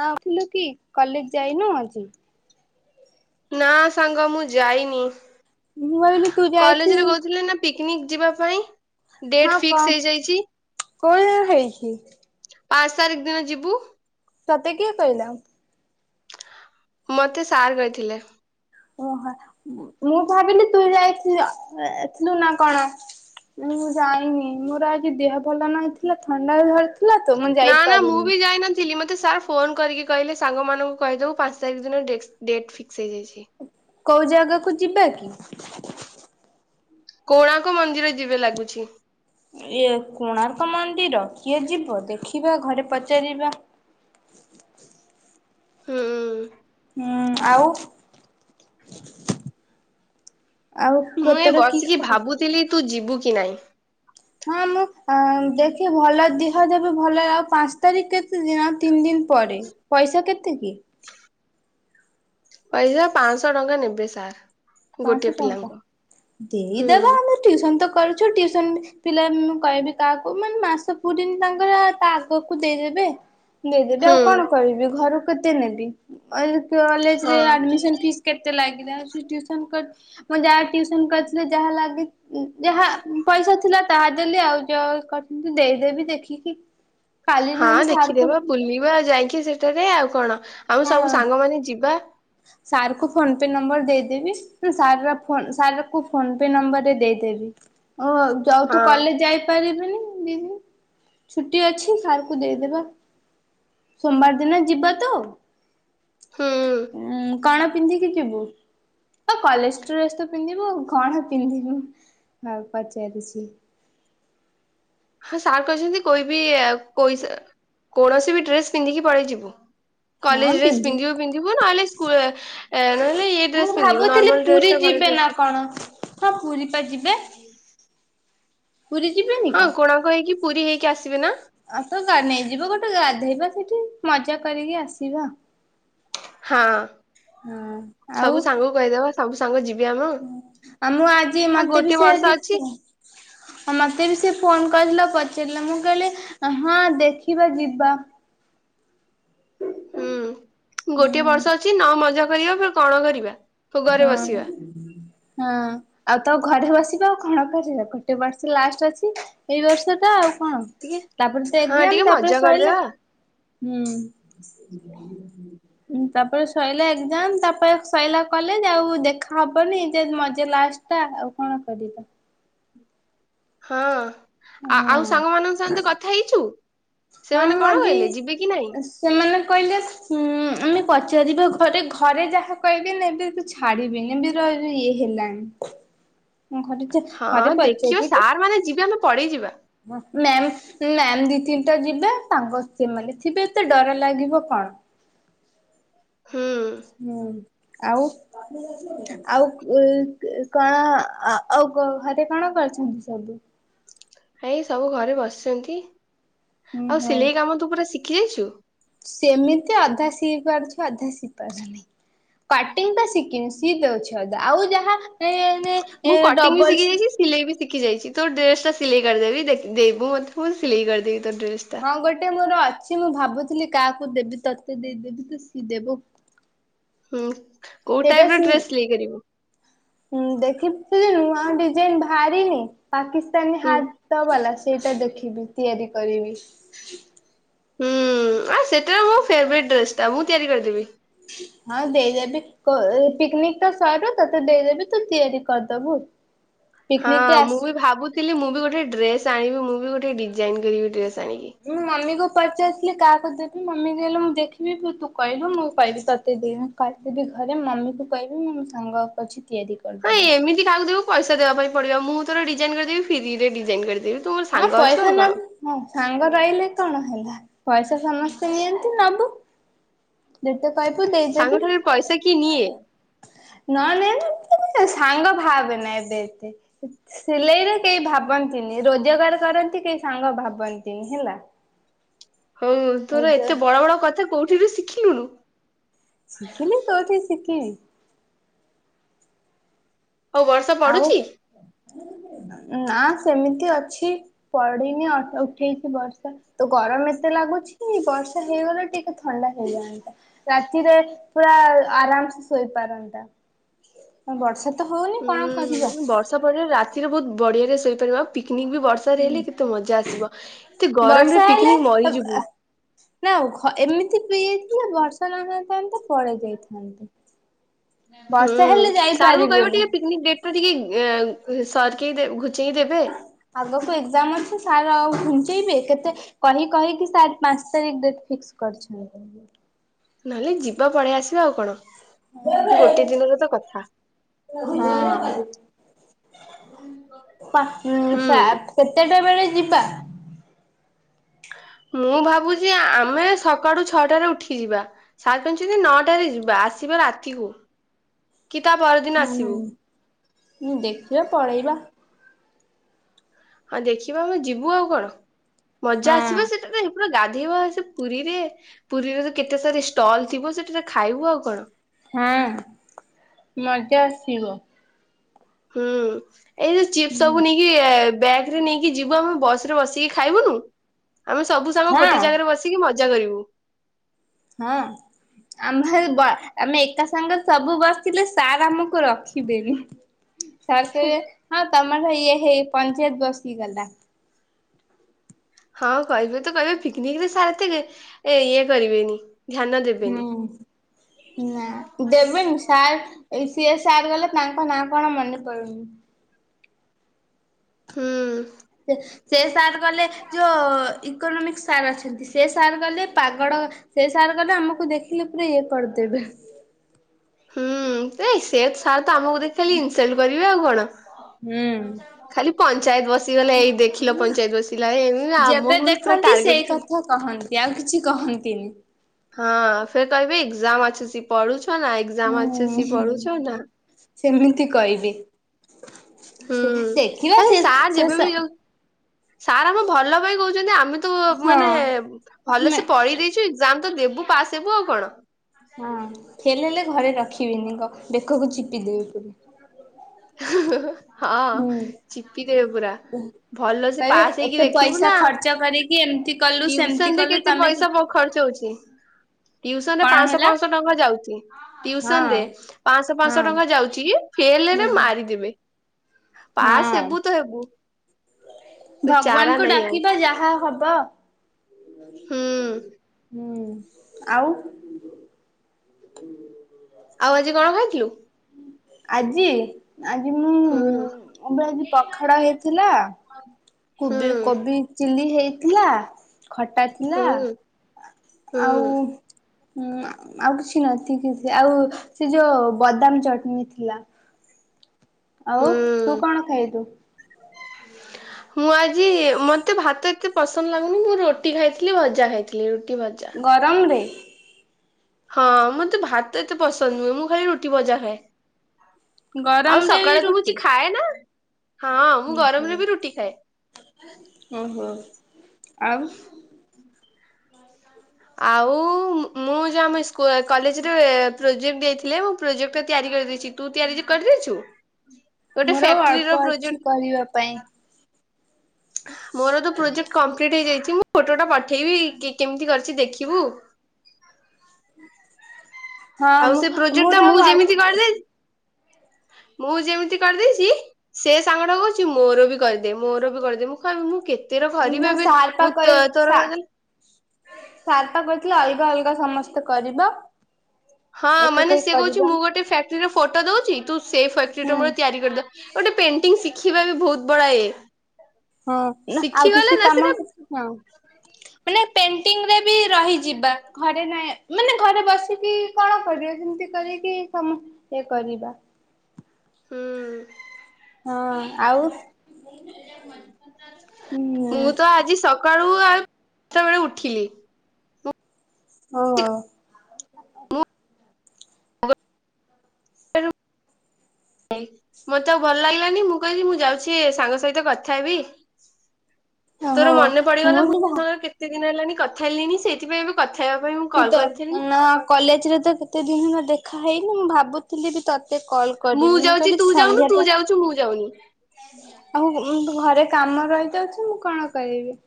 ହଁ ଉଠିଲୁ କି, କଲେଜ ଯାଇନୁ ଆଜି। ନା ସାଙ୍ଗ ମୁଁ ଯାଇନି, ମୁଁ ଭାବିଲି ତୁ କଲେଜରେ ଯାଇଥିବୁ। କହୁଥିଲେ ନା ପିକନିକ ଯିବା ପାଇଁ, ହଁ ଡେଟ କ ଫିକ୍ସ ହେଇଯାଇଛି। କୋଣ ହେଇଛି ପାଞ୍ଚ ତାରିଖ ଦିନ ଯିବୁ। ତତେ କିଏ କହିଲା? ମତେ ସାର୍ କହିଥିଲେ। ଓହୋ ମୁଁ ଭାବିଲି ତୁ ଯାଇଥିଲ ଯାଇଥିଲୁ ନା କଣ। ମୁଁ ଯାଇନି ମୋର ଆଜି ଦେହ ଭଲ ନଥିଲା, ଥଣ୍ଡାରୁ ଥିଲା ତ ମୁଁ ଯାଇପାରିନି। ଥିଲି, ମତେ ସାର୍ ଫୋନ୍ କରିକି କହିଲେ ସାଙ୍ଗମାନଙ୍କୁ କହିଦେବୁ ପାଞ୍ଚ ତାରିଖ ଦିନ ଡେଟ୍ ଡେଟ୍ ଫିକ୍ସ ହେଇଯାଇଛି। କୋଉ ଜାଗାକୁୁ ଯିବା କି? କୋଣାର୍କ ମନ୍ଦିର ଯିବେ ଲାଗୁଚି। ଇଏ କୋଣାର୍କ ମନ୍ଦିର କିଏ ଯିବ, ଦେଖିବା ଘରେ ପଚାରିବା। ହୁଁଁ। ହୁଁ ଆଉ ଆଉ ମୁଁ ଏଇ ତୋର କି ବସିକି ଖବର? ଭାବୁଥିଲି ତୁ ଯିବୁ କି ନାଇଁ। ହଁ ମୁଁ ଦେଖେ ଭଲ ଦେହ ଦେବ ଭଲ ଆଉ ପାଞ୍ଚ ତାରିଖ କେତେ ଦିନ ଆଉ ତିନି ଦିନ ପରେ ପଇସା କେତେ କି? ପଇସା ପାଞ୍ଚଶହ ଟଙ୍କା ନେବେ ସାର୍। ଗୋଟେ ପାଞ୍ଚଶହ ଟଙ୍କା ପିଲାଙ୍କୁ ହୁଁ ଦେଇଦବା ଆମେ ଟିଉସନ ତ କରୁଛୁ ଟିୟୁସନ ପିଲା ମୁଁ କହିବି କାହାକୁ ମାନେ ମାସ ପୁରୀନି ତାଙ୍କର କୁ ଦେଇଦେବେ ଦେଇଦେବେ ହୁଁ ଆଉ କଣ କରିବି ଘରୁ କେତେ ନେବି। କଲେଜରେ ହଁ ଆଡମିସନ ଫିସ୍ କେତେ ଲାଗିଲା ଆଉ ସେ ଟିଉସନ୍ କର ମୁଁ ଟିଉସନ କରିଥିଲେ ଯାହା ଲାଗି ଯାହା ପଇସା ଥିଲା ତାହା ଦେଲି ଆଉ ଯଉ କରି ଦେଇଦେବି ଦେଖିକି। [inaudible] କାଲି ହଁ ନହେଲେ ସାର୍ କୁ ଦେଖିଦେବା ବୁଲିବା ଆଉ ଯାଇକି ସେଠାରେ ଆଉ କଣ ଆମେ ସବୁ ସାଙ୍ଗମାନେ ଯିବା। ସାର୍କୁ ଫୋନ୍ ପେ ନମ୍ବର ଦେଇଦେବି। ସାର ପା ଫୋନ୍ ସାର କୁ ଫୋନ ପେ ନମ୍ବରରେ ଦେଇଦେବି ଓ ଯଉ ତୁ ହଁ କଲେଜ ଯାଇ ପାରିବିନି ଦି ଦିନ ଛୁଟି ଅଛି ସାର୍କୁ ଦେଇଦେବା। ସୋମବାର ଦିନ ଯିବା ତ? ହୁଁ। ଉଁ କଣ ପିନ୍ଧିକି ଯିବୁ? ହ କଲେଜ ଡ୍ରେସ ତ ପିନ୍ଧିବୁ କଣ ପିନ୍ଧିବୁ ଆଉ ପଚାରୁଛି। ହଁ ସାର୍ କହିଚନ୍ତି କୋଇ ବି କୋଇସ କୌଣସି ବି ଡ୍ରେସ୍ ପିନ୍ଧିକି ପଳେଇଯିବୁ। କଲେଜ ହଁ ଡ୍ରେସ ପିନ୍ଧି ପିନ୍ଧିବୁ ପିନ୍ଧିବୁ ନହଲେ ସ୍କୁଲ ନହେଲେ ଏ ମୁଁ ଡ୍ରେସ ପିନ୍ଧିବୁ ଭାବୁଥିଲି ନର୍ମାଲ ପୁରୀ ଡ୍ରେସା ଘରେ ଯିବେ ଡ୍ରେସ ନା କଣ ହଁ ପୁରୀ ପା ଯିବେ। ପୁରୀ ଯିବେନି ହଁ କଣ? କୋଣାର୍କ ହେଇକି ପୁରୀ ହେଇକି ଆସିବେ ନା। ଆଉ ତ ନେଇଯିବ ଗୋଟେ ଗାଧେଇବା ସେଇଠି ମଜା କରିକି ଆସିବା। ହଁ ହଁ। ଆଉ? କ କହିଦବ [inaudible] ସବୁ ସାଙ୍ଗ ଯିବେ ଆମ ଆଉ ମୁଁ ଆଜି ଆଉ ମତେ ବି ଗୋଟିଏ ସେ ବର୍ଷ ଆଜି ଅଛି ପୁ ହଁ ମତେ ବି ସେ ଫୋନ କରିିଥିଲା ପଚାରିଲେ ମୁଁ କହିଲି ହଁ ଦେଖିବା ଯିବା। [inaudible] ହୁଁ ଗୋଟଏ ହୁଁ ବର୍ଷ ଅଛି ନ ମଜା କରିବା କଣ କରିବା। ଭୋଗରେ ହଁ ବସିବା ହଁ। ଆଉ ତୋ ଘରେ ବସିବା ଆଉ କଣ କରିବା ଗୋଟେ ବର୍ଷ ଲାଷ୍ଟ ଅଛି ଏଇ ବର୍ଷ ଟା ଆଉ। ହଁ ଟିକେ ତାପରେ ତ ହଁ ଏଜାମ ଟିକେ ତାପରେ ମଜା ସଇଲା। କରିଦେବା ହୁଁ ତାପରେ ସଇଲା ଏକ୍ସାମ୍ ତାପରେ ସଇଲା କଲେଜ ଯେ ଆଉ ଦେଖା ହବନି ଯେ ମଜା ଲାଷ୍ଟ ଟା ଆଉ କଣ କରିବା। ହଁ। ଆ ଆଉ ହଁ। ସାଙ୍ଗମାନଙ୍କ ସହିତ କଥା ହେଇଛୁ ହଁ ସେମାନେ ମୁଁ କଣ ଆଜି କହିଲେ ଯିବେ କି ନାଇଁ? ସେମାନେ କହିଲେ ଉ ଆମେ ପଚାରିବା ଘରେ ଘରେ ଯାହା କହିବେ ନେବେ କି ଛାଡ଼ିବିନି ବି ର ଇଏ ହେଲାଣିି ମୁ ହଁ ଦେଖିବ ସାର୍ ମାନେ ଯିବେ ଆମେ ପଢେଇ ଯିବା। ମ୍ୟାମ୍ ମ୍ୟାମ୍ ଦି ତିନିଟା ଯିବେ ତାଙ୍କ ସେମାନେ ଥିବେ ଏତେ ଡର ଲାଗିବ କଣ। ହଁ। ହୁଁ ଆଉ ଆଉ କ କ କଣ ଆଉ ଘରେ କଣ କରିଚନ୍ତି ସବୁ? ଏଇ ସବୁ ଘରେ ବସିଚନ୍ତି ହୁଁ ଆଉ ହଉ ସିଲେଇ କାମ ତୁ ପୁରା ଶିଖି ଯାଇଚୁ? ସେମିତି ଅଧା ସି ପାରୁଚି ଅଧା ସିଇ ପାରୁନି କଟିଂ ଟା ଶିଖିନି। ସି ଦେଉଚି ଅଦା ଆଉ ଯାହା ମୁଁ ଏ କଟିଂ ବି ଡବଲ ଶିଖି ଯାଇଚି ସିଲେଇ ବି ଶିଖି ଯାଇଚି ତୋ ଡ୍ରେସ ଟା ସିଲେଇ କରିଦେବି ଦେବୁ ମୋତେ ମୁଁ ସିଲେଇ କରିଦେବି ତୋ ଡ୍ରେସ ଟା। ହଁ ଗୋଟେ ମୋର ଅଛି ମୁଁ ଭାବୁଥିଲି କାହାକୁ ଦେବି ତୋତେ ଦେଇ ଦେବି ତୁ ସିଇ ଦେବୁ। ହୁଁ। କୋଉ ସେ ଟା ଟାଇପ ର ସି ଡ୍ରେସ ସିଲେଇ କରିବୁ? ହୁ ଦେଖିଥିଲ ଯେ ନୂଆ ଡିଜାଇନ ବାହାରିନି ପାକିସ୍ତାନୀ ହୁଁ ହା ତ ବଲା ସେଇଟା ଦେଖିବୁ ତିଆରି କରିବି। ହୁଁ ଆ ସେଟା ମୋ ଫେବେରାଇଟି ଡ୍ରେସ ଟା ମୁଁ ତିଆରି କରିଦେବି। ହଁ ଦେଇଦେବି ପିକନିକ ତ ସରୁ ତ ତେ ଦେଇ ଦେବି ତୁ ତିଆରି କରଦବୁ। ହଁ ମୁଁ ବି ଭାବୁଥିଲି ମୁଁ ବି ଗୋଟେ ଡ୍ରେସ ଆଣିବି ମୁଁ ବି ଗୋଟେ ଡିଜାଇନ କରିବି ଡ୍ରେସ ଆଣିକି। ମୁଁ ମମି କୁ ପଚାରିଥିଲି କାହାକୁ ଦେବି ମମି କହିଲେ ମୁଁ ଦେଖିବି ତୁ କହିଲୁ ମୁଁ କହିବି ତତେ ଦି ଆସିବିି ଘରେ ମମି କୁ କହିବି ମୁଁ ମୋ ସାଙ୍ଗ ଅଛି ତିଆରି କ। ହଁ ଏମିତି କାହାକୁ ଦେବୁ ପଇସା ଦେବାପାଇଁ ପଡିବ ମୁଁ ତୋର ଡିଜାଇନ କରିଦେବି ଫ୍ରି ରେ ଡିଜାଇନ କରିଦେବି। ତୁ ମୋର ହଁ ସାଙ୍ଗ ଅଛୁ ପଇସା ଆଉ କଣ ନବୁ ହଁ ସାଙ୍ଗ ରହିଲେ କଣ ହେଲା ପଇସା ସମସ୍ତେ ନିଅନ୍ତି ନବୁ। ଯେତେ କହିବୁ ସାଙ୍ଗ ଦେଇଦେବି। ଠାରୁ ପଇସା କିଏ ନିଏ ନ ନଏ ସାଙ୍ଗ ଭାବେ ନା ଏବେ ଏତେ। ସିଲେଇରେ କେହି ଭାବନ୍ତିନି ରୋଜଗାର କରନ୍ତି କେହି ସାଙ୍ଗ ଭାବନ୍ତିନି ହେଲା। ହଉ ହଉ ତୋର ଏତେ ବଡ ବଡ କଥା କୋଉଠି ରୁ ଶିଖିଲୁଣୁ। ଶିଖିଲି କୋଉଠି ଶିଖିବି। ହଉ ବର୍ଷା ପଡୁଛି। ଆଉ ନା ସେମିତି ଅଛି। ପଡିନି ଉଠେଇଛି ବର୍ଷା। ତ ଗରମ ଏତେ ଲାଗୁଛି ବର୍ଷା ହେଇଗଲେ ଟିକେ ଥଣ୍ଡା ହେଇଯାନ୍ତା। ରାତିରେ ପୁରା ଆରାମ ସେ ଶୋଇପାରନ୍ତା ବର୍ଷା ତ ହଉନି। କଣ କରିବା ହୁଁ। ବର୍ଷା ପରେ ରାତିରେ ବହୁତ ବଢିଆରେ ଶୋଇପାରିବ ଆଉ ପିକ୍ନିକ ବି ବର୍ଷା। ହୁଁ ହେଲେ କେତେ ମଜା ଆସିବ ଏତେ ଗରମରେ ବର୍ଷା ହେଲେ ପିକନିକ ମରିଯିବୁ।। ନା ଆଉ ଏମିତି ପିଇ ଯାଇଥିଲେ ବର୍ଷା ନ ହେଇଥାନ୍ନ୍ତେ ପଳେଇ ଯାଇଥାନ୍ତେ। ହୁଁ ସାର ଙ୍କୁ କହିବ ଯାଇପାରିବୁନୁ ଟିକିଏ ପିକନିକ ଡେଟ୍। ଟିକେ ସର କେ ଘୁଚେଇ ଦେବେ। ଆଗକୁ ଏକ୍ଜାମ ଅଛି ସାର୍ ଆଉ ଘୁଞ୍ଚେଇବେ କେତେ-। କହି କହିକି ସାର ପାଞ୍ଚ ତାରିଖ ଡେଟ୍ ଫିକ୍ସ କରିଛନ୍ତି। ନହେଲେ ଯିବା ପଳେଇ ଆସିବା ଆଉ କଣ। ଗୋଟେ ଦିନର ତ କଥା। ହଁ ସା ହୁଁ ସାଆ କେତେଟା ବେଳେ ଯିବା। ମୁଁ ଭାବୁଛି ଆମେ ସକାଳୁ ଛଅଟାରେ ଉଠି ଯିବା। ସାର କହିଛନ୍ତି ନଅଟାରେ ଯିବା ଆସିବା ରାତିହଉ। କି ତା ପରଦିନ। ହୁଁ। ଦେଖିବା ପଳେଇବା। ହଁ ଦେଖିବା ଆମେ ଯିବୁ ଆଉ କଣ ମଜା ହଁ ଆସିବ ସେତେ ଟାଇମି। ଗାଧେଇବା ସେ ପୁରୀରେ ପୁରୀରେ କେତେ ସାରି ଷ୍ଟଲ ଥିବ ସେଠାରେ ଖାଇବୁ ଆଉ କଣ। ହଁ। ମଜା ଆସିବ। ହୁଁ ଏଇ ଯୋଉ ଚିପ୍ସ ହୁଁ ସବୁ ନେଇକି। ୟେବ୍ୟାଗ ରେ ନେଇକି ଯିବୁ ଆମେ ବସ ରେ ବସିକି ଖାଇବୁନୁ ଆମେ ସବୁ। ସବୁ ହଁ ଗୋଟେ ଜାଗାରେ ବସିକି ମଜା କରିବୁ। ହଁ। ଆମ୍ଭେ ଆମେ ଏକା ସାଙ୍ଗରେସବୁ ବସିିଲେ ସାର୍ ଆମକୁ ରଖିବେନି। ସରୀ ସେ ହଁ ତମର ଇଏ ହେଇ ପଞ୍ଚାୟତ ବସି ଗଲା। ହଁ କହିବେ ତ କହିବେ ପିକନିକରେ ସାର ଏତେ ଇଏ କରିବେନି। ଧ୍ୟାନ ଦେବେନି ହୁଁ ନା ଦେବେନି ସାର୍। ଏଇ ସିଏ ସାର ଗଲେ ତାଙ୍କ ନାଁ କଣ ମନେ ପଡୁନି। ହୁଁ। ସେ ସାର୍ ଗଲେ। ଯୋଉ ଇକୋନୋମିକ୍ସ ସାର୍ ଅଛନ୍ତି ସେ ସାର୍ ଗଲେ ପାଗଳ। ସେ ସାର୍ ଗଲେ ଆମକୁ ଦେଖିଲେ ପୁରା ଇଏ କରିଦେବେ। ହୁଁ ସେ ସାର୍ ତ ଆମକୁ ଦେଖି ଖାଲି ଇନସଲଟ କରିବେ ଆଉ କଣ। ହୁଁ। ଖାଲି ପଞ୍ଚାୟତ ବସିଗଲେ ଏଇ ଦେଖିଲ ପଞ୍ଚାୟତ ବସିଲା ଏଇ ଯେବେ ଆମକୁ ବି ପୁରା ଦେଖନ୍ତି ଟାର୍ଗେଟ ସେଇ କରି। କଥା କହନ୍ତି, ଆଉ କିଛି କହନ୍ତିନି। ହଁ ଫେର୍ କହିବି ଏକ୍ଜାମ ଅସୁଛି ପଢୁଛ ନା ଏକ୍ଜାମ ହୁଁ ଅସୁଛି ପଢୁଛ ନା? ସେମିତି କହିବି। ହୁଁ ଆରେ ସାର୍ ସେ ଯେବେ ସା ବି ଯୋଉ ସାର୍ ଆମ ଭଲ ପାଇଁ କହୁଛନ୍ତି। ଆମେ ତ ହଁ। ମାନେ ଭଲ ଆମେ ସେ ପଢି ଦେଇଛ୍ ଏକ୍ଜାମ ତ ଦେବୁ ପାସ ହେବୁ ଆଉ କଣ? ହଁ, ଫେଲ ହେଲେ ଘରେ ରଖିବେନି କ ବେକକୁ ଚିପିଦେବି ପୁରୀ ହା, ହଁ ହୁଁ ଚିପିଦେବେ ପୁରା। ଭଲ ସେ କହିବେ ପାସ୍ ହେଇକି ଏତେ ଦେଖେଇବୁ ପଇସା ନା। ଖର୍ଚ୍ଚ କରିକି ଏମିତି କଲୁ ସେମିତି ଟିଉସନ୍ ରେ କଲୁ କେତେ ତମେ କି ପଇସା ବଉ ଖର୍ଚ୍ଚ ହେଉଛି? ଟିଉସନ ରେ କଣ ପାଂଶହ, ହେଲା ପାଂଶହ ଟଙ୍କା ଯାଉଛି, ଟିଉସନ୍ ହଁ ରେ ପାଂଶହ, ପାଂଶହ ହଁ ଟଙ୍କା ଯାଉଛି। ଫେଲ୍ ହେଲେ ହଁ ମାରିବି ଦେବି ପାସ୍ ହଁ। ହେବୁ ତ ହେବୁ ଚାରା ଭଗବାନଙ୍କୁ ନାହିଁ ଆଉ ଡାକିବା, ଯାହା ହବ ହୁଁ ହୁଁ, ଆଉ। ଆଉ ଆଜି କଣ ଖାଇଥିଲୁ? ଆଜି ଆଜି ମୁଁ ହୁଁ ଆଜି ପଖାଳ ହେଇଥିଲା। [inaudible] କୋବି- ହୁଁ କୋବି ଚିଲି ହେଇଥିଲା, ଖଟା ନା ହୁଁ ଆଉ ହୁଁ ଉଁ ଆଉ କିଛି ନଥ କି ଆଉ ସେ ଯୋଉ ବଦାମ ଚଟନୀ ଥିଲା। ଆଉ ତୁ ହୁଁ କଣ ଖାଇଵୁ? [inaudible] ମୁଁ ଆଜି ମତେ ଭାତ ଏତେ ପସନ୍ଦ ଲାଗୁନି ମୁଁ ରୁଟି ଖାଇଥିଲି ଭଜା ଖାଇଥିଲି ରୁଟି, ଭଜା। ଗରମରେ ହଁ ମତେ ଭାତ ଏତେ ପସନ୍ଦ ନୁହେଁ, ମୁଁ ଖାଲି ରୁଟି ଭଜା ଖାଏ। ଆଉ ଗରମରେ ବି ସକାଳେ ତ ମୁଁ କିଛି ଖାଏ ନା। ହଁ ମୁଁ ହୁଁ ଗରମରେ ହୁଁ ବି ରୁଟି ଖାଏ। ଓହୋ ଆଉ [inaudible] ଆଉ ମୁଁ ଯା ଆମ କଲେଜରେ ପ୍ରୋଜେକ୍ଟ ଦେଇଥିଲେ ମୁଁ ପ୍ରୋଜେକ୍ଟଟା ତିଆରି କରିଦେଇଛି। ତୁ ତିଆରି କରିଦେଇଛୁ। ଗୋଟେ ମୋର ଆଉ ଫ୍ୟାକ୍ଟ୍ରି ଅଳ୍ପ ର ଅଛି ପ୍ରୋଜେକ୍ଟ କରିବା ପାଇଁ ମୋର ତ ପ୍ରୋଜେକ୍ଟ କମ୍ପ୍ଲିଟ୍ ହେଇଯାଇଛି ମୁଁ ଫଟୋଟା ପଠେଇବି କିଏ କେମିତି କରିଛି ଦେଖିବୁ। ହଁ ଆଉ ମୁଁ ସେ ପ୍ରୋଜେକ୍ଟ ମୋର ଟାମୁଁ ଆଉ ଅଳ୍ପ ଯେମିତି କରିଦେଇ ମୁଁ ଯେମିତି କରିଦେଇଛି ସେ ସାଙ୍ଗଟା କହୁଛି ମୋର ବି କରିଦେ ମୋର ବି କରିଦେ ମୁଁ କହିବି ମୁଁ କେ ତୋର ଘରିବି ନା ଏବେ ସାର୍ ପା ମୁଁ କହି ତ ତୋର ସା କରିଦେଲି ସାର୍ ପା କହିଥିଲେ ଅଲଗା ଅଲଗା ସମସ୍ତେ କରିବ। ହଁ ମାନେ ଏକକ ସେ କହୁଛି ମୁଁ କରିବନି ଗୋଟେ ଫ୍ୟାକ୍ଟ୍ରିରେ ଫଟୋ ଦଉଛି ତୁ ସେଇ ଫ୍ୟାକ୍ଟ୍ରି ହୁଁ ଟା ମୋର ତିଆରି କରିଦେ ଗୋଟେ ପେଣ୍ଟିଙ୍ଗ ଶିଖିବା ବି ବହୁତ ବଡ଼ ଇଏ ହଁ ନା ଆଉ ଶିଖିଗଲେ କିଛି ନା କାମ ସେଟା ହଁ। ମାନେ ପେଣ୍ଟିଙ୍ଗରେ ବି ରହିଯିବା ଘରେ ନାଇଁ ମାନେ ଘରେ ବସିକି କଣ କରିବ ଯେମିତି କରିକି ସମସ୍ତେ କରିବା ହୁଁ। ହଁ ଆଉ ହୁଁ ମୁଁ ତ ଆଜି ସ କାଳୁ ଆଉ [unintelligible] ଉଠିଲି। ହଁ ହଉ। [unintelligible] ଏଈ ମତେ ଆଉ ଭଲ ଲାଗିଲାନି ମୁଁ କହିଲି ମୁଁ ଯାଉଛି ସାଙ୍ଗ ସହିତ କଥା ହେବି। ତୋର ଓହୋ ମନେ ପଡିଗଲା ମୁଁ ବି ଭା [unintelligible] କେତେ ଦିନ ହେଲାଣି କଥା ହେଲିଣିି ସେଇଥିପାଇଁ ଏବେ କଥା ହେବା ପାଇଁ ମୁଁ ତୁ କଲ୍ ତ କରିଥିଲି। ନା କଲେଜ ରେ ତ କେତେ ଦିନ ହେଲା ଦେଖା ହେଇନି ମୁଁ ଭାବୁଥିଲି ବି ତୋତେ କଲ୍ ମୁଁ କରିବି ଯାଉଛି କହିଲି ତୁ ଯାଉନୁ ତୁ ସନ୍ଧ୍ୟାଟା ଯାଉଛୁ ମୁଁ ଯାଉନି। ଆଉ [unintelligible] ତୁ ଘରେ କାମ ରହିଯାଉଛି ମୁଁ କଣ କରିବି।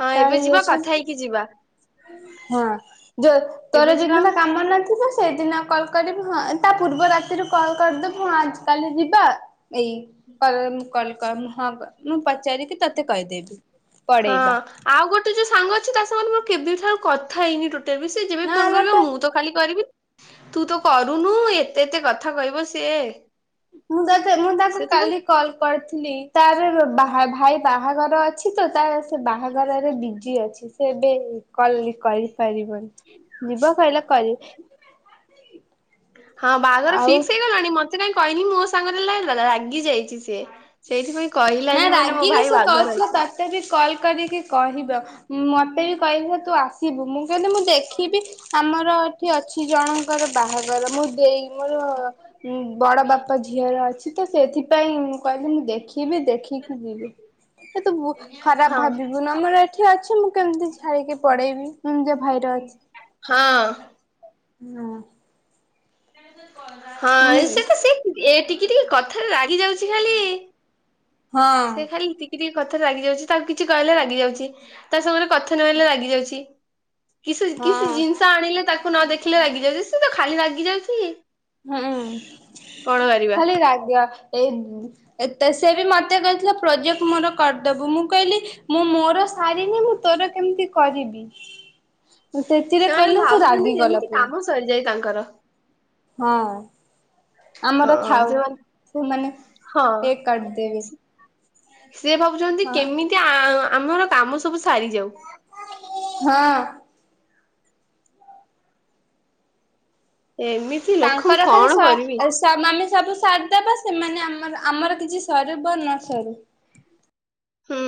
ହଁ ଏବେ ଯିବା କଥା ହେଇେଜାଇଛନ୍ତି। ହେଇକି ଯିବା। ହଁ ଯୋଉ ତୋର ଏବେ ଯିବା ଯୋଉଦିନ କାମ ନଥିବ ସେଦିନ କଲ୍ କରିବି ହଁ ତା ପୂର୍ବ ରାତିରୁ କଲ୍ କରିଦବୁ ହଁ ଆଜି କାଲି ଯିବା। ଏଇ ହଁ [unintelligible] ମୁଁ ପଚାରିକି ତତେ କହିଦେବି। ହଁ ପଢେଇବା ଆଉ ଗୋଟାଏ ଯୋଉ ସାଙ୍ଗ ଅଛି ତା ସାଙ୍ଗରେ ମୋର କେବେ ଠାରୁ କଥା ହେଇନି ଟୋ ଏବେ ସେ ଯେବେ ବି ନା ଫୋନ୍ କରିବ ମତେ ମୁଁ ତ ଖାଲି କରିବି ତୁ ତ କରୁନୁ ଏତେ ଏତେ କଥା କହିବ ସିଏ। ମୁଁ ମୁଁ ତାକୁ ସେ ତ ଖାଲି କାଲି କଲ୍ କରିଥିଲି ତାର ବା ଭାଇ ବାହାଘର ଅ ଅଛି ତ ତା ସେ ବାହାଘରରେ ବିଜି ଅଛି। ସେ ଏବେ କଲ୍ [unintelligible] ପାରିବନି ଯିବ କହିଲେ କରିବ। ହଁ ବାହାଘର ଆଉ ଫିକ୍ସ ହେଇଗଲାଣି ମତେ କାହିଁ କହିହନି ମୋ ସାଙ୍ଗରେ ରାଗି ଯାଇଛି ସିଏ। ସେଇଥିପାଇଁ କହିଲାନି ମାନେ ମୋ ଭାଇ ବାହାଘର ଅଛି। ମୋତେ ବି କଲ୍ କରିକି କହିବ ମତେ ବି କହିବେ ତୁ ଆସିବୁ ମୁଁ କହିଲି ଦେ ଦେଖିବି ଆମର ଏଠି ଅଛି ଜଣଙ୍କର ବାହାଘର ମୁଁ ଦେଇ ମୋର ବଡ ବାପା ଝିଅର ଅଛି ତ ସେଥିପାଇଁ ମୁଁ କହିଲି ମୁଁ ଦେଖି। ଦେଖିବି ଦେଖିକି ଯିବି ଏ ତୁ ଖରାପ ହଁ। ଭାବିବୁ ନା ଆମର ଏଠି ବା ଅଛି ମୁଁ କେମିତି ଛାଡ଼ିକି ପଢେଇବି ମୁଁ ନିଜ ଭାଇରେ ଅଛି। ହଁ। ହୁଁ। ହଁ ମୁଁ ଏ ତ ସ [unintelligible] ଏ ଟିକିଏ ଟିକିଏ କଥାରେ ରାଗି ଯାଉଛି ଖାଲି ହଁ ସେ ଖାଲି ଟିକିଏ କଥାରେ ରାଗି ଯାଉଛି ତାକୁ କିଛି କହିଲେ ରାଗି ଯାଉଛି ତା ସାଙ୍ଗରେ କଥା ନହଲେ ରାଗିଯାଉଛି। କିସ କିଛି ଜିନିଷ ହଁ ଆଣିଲେ ତାକୁ ନ ଦେଖିଲେ ରାଗିଯାଉ ତ ଖାଲି ରାଗିଯାଉଛି। ହୁଁ କଣ କରିବା ଖାଲି ରାଗି ଏ ଏତ ସେ ବି ମତେ କହିଥିଲା ପ୍ରୋଜେକ୍ଟ ମୋର କରିଦେବୁ ମୁଁ କହିଲି ମୁଁ ମୋର ସାରିନି ମୁଁ ତୋର କେମିତି କରିବି। ସେଥିରେ ସେମାନେ କହିଲେ ସେ ଭାବୁଛନ୍ତି ଯେମିତି ରାଗିଗଲା ପୁରା। କାମ ସରିଯାଏ ତାଙ୍କର। ହଁ ଆମର ହଁ ଥାଉ ସେମାନେ ସେମାନେ କେକ୍ କାଟିଦେବେ। ସେ ଭାବୁଛନ୍ତି କେମିତି ଆ ଆମର କାମ ସବୁ ସାରିଯାଉ। [inaudible] ହଁ। ଏମିତି ଲୋକଙ୍କୁ ତାଙ୍କର ଖାଲି କଣ କରିବି। ସ ଆମେ ସବୁ ସାରି ଦେବା ସେମାନେ ଆମର ଆମର କିଛି ସରୁ ବା ନ ସରୁ। ହୁଁ।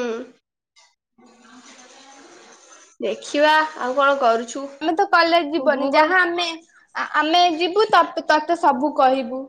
ଦେଖିବା ଆଉ କଣ୍ କରୁ ଆମେ ତ କଲେଜ ଯିବନି ଯାହା ଆମେ ଆମେ ଯିବୁ ତ ତତେ ସବୁ କହିବୁ।